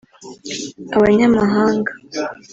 abanyamahanga